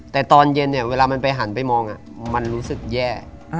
แต่ตอนเย็นเนี่ยเวลามันไปหันไปมองมันรู้สึกแย่